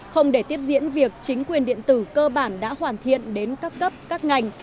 không để tiếp diễn việc chính quyền điện tử cơ bản đã hoàn thiện đến các cấp các ngành